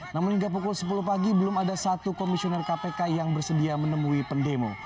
namun hingga pukul sepuluh pagi belum ada satu komisioner kpk yang bersedia menemui pendemo